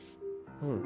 うん。